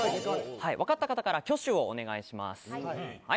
分かった方から挙手をお願いします。